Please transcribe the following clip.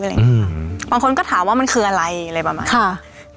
อะไรแบบนี้อืมบางคนก็ถามว่ามันคืออะไรอะไรประมาณนี้ค่ะ